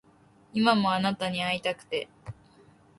今もあなたに逢いたくて